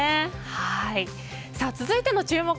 続いての注目